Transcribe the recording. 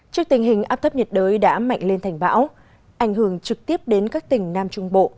trước tình hình áp thấp nhiệt đới đã mạnh lên thành bão ảnh hưởng trực tiếp đến các tỉnh nam trung bộ